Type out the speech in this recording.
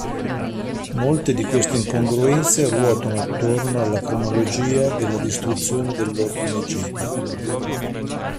Molte di queste incongruenze ruotano attorno alla cronologia della distruzione dell'ordine Jedi.